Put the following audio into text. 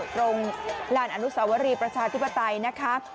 ตรงลานอนุสาวรีประชาธิปไตยนะคะ